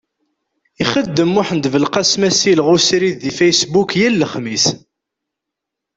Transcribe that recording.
Ixeddem Muḥend Belqasem asileɣ usrid deg Facebook yal lexmis.